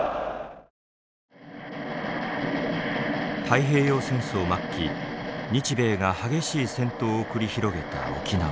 太平洋戦争末期日米が激しい戦闘を繰り広げた沖縄。